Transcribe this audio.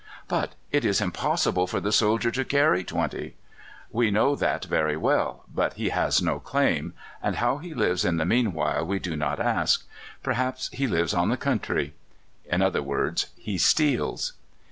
"But it is impossible for the soldier to carry twenty." "We know that very well, but he has no claim; and how he lives in the meanwhile we do not ask. Perhaps he lives on the country." In other words, he steals!